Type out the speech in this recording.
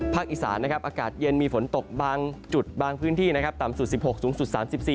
ภาคอีสานอากาศเย็นมีฝนตกบางจุดบางพื้นที่ต่ำสุด๑๖สูงสุด๓๔